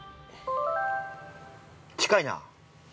◆近いな。